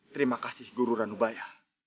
terima kasih guru ranubaya